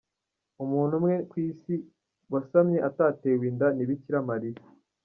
Umuntu umwe ku isi wasamye atatewe inda ni Bikiramariya.